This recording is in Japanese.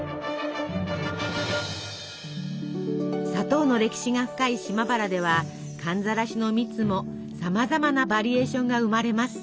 砂糖の歴史が深い島原では寒ざらしの蜜もさまざまなバリエーションが生まれます。